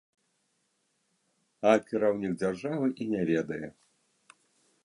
А кіраўнік дзяржавы і не ведае!